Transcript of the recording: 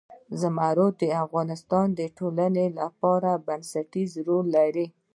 زمرد د افغانستان د ټولنې لپاره بنسټيز رول لري.